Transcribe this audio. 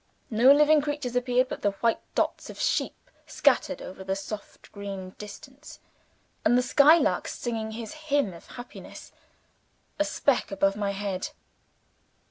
No living creatures appeared but the white dots of sheep scattered over the soft green distance, and the skylark singing his hymn of happiness, a speck above my head.